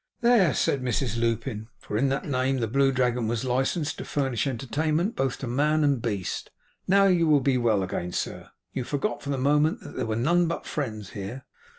'There!' said Mrs Lupin; for in that name the Blue Dragon was licensed to furnish entertainment, both to man and beast. 'Now, you will be well again, sir. You forgot, for the moment, that there were none but friends here.